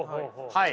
はい。